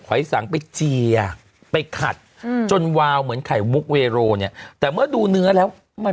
อยสังไปเจียไปขัดจนวาวเหมือนไข่มุกเวโรเนี่ยแต่เมื่อดูเนื้อแล้วมัน